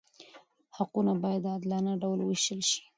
حقونه باید په عادلانه ډول وویشل شي.